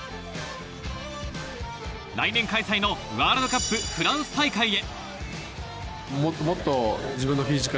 来年開催のワールドカップフランス大会へ。